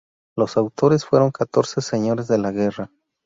Los autores fueron catorce señores de la guerra.